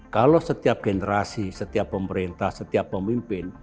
kalau setiap generasi setiap pemerintah setiap pemimpin